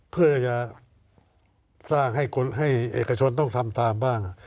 เพื่อจะสร้างให้เอกชนต้องทำตามบ้าง